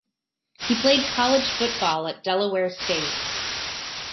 He played college football at Delaware State.